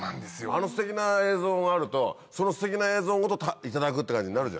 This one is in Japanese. あのステキな映像があるとそのステキな映像ごといただくって感じになるじゃん。